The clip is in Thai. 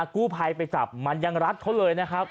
กู้ภัยไปจับมันยังรัดเขาเลยนะครับ